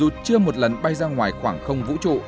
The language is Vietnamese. dù chưa một lần bay ra ngoài khoảng không vũ trụ